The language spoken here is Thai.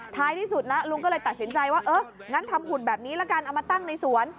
ท้ายที่สุดนะลุงก็เลยตัดสินใจว่าเอองั้นทำหุ่นแบบนี้ละกันเอามาตั้งในสวน